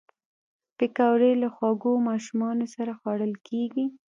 پکورې له خوږو ماشومانو سره خوړل کېږي